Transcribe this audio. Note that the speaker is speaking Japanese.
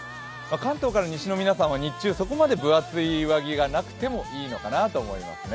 関東から西の皆さんは日中そこまで分厚い上着はなくてもいいのかなという感じですね。